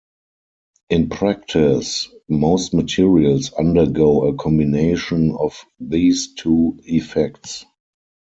In practice, most materials undergo a combination of these two effects.